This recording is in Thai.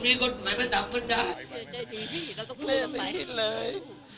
แม่ไม่คิดเลย